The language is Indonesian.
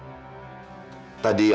kemudian angkat kepadanya iya